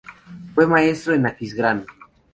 Fue maestro en Aquisgrán.